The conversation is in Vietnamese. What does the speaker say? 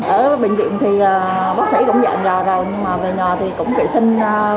ở bệnh viện thì bác sĩ cũng dạng ra rồi nhưng mà về nhà thì cũng kể sinh